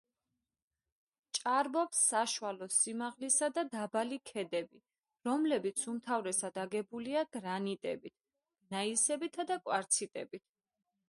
ჭარბობს საშუალო სიმაღლისა და დაბალი ქედები, რომლებიც უმთავრესად აგებულია გრანიტებით, გნაისებითა და კვარციტებით.